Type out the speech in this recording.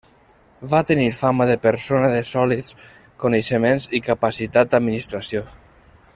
Va tenir fama de persona de sòlids coneixements i capacitat d'administració.